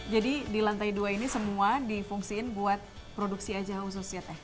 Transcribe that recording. jadi di lantai dua ini semua difungsiin buat produksi aja khusus ya teh